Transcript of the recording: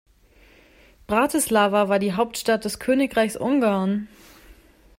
Bratislava war die Hauptstadt des Königreichs Ungarn.